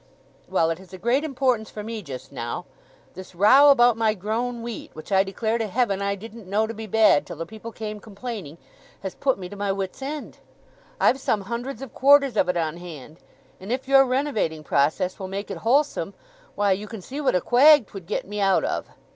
"Well, it has a great importance for me just now. This row about my grown wheat, which I declare to Heaven I didn't know to be bad till the people came complaining, has put me to my wits' end. I've some hundreds of quarters of it on hand; and if your renovating process will make it wholesome, why, you can see what a quag 'twould get me out of.